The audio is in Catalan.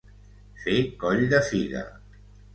Fer coll de figa.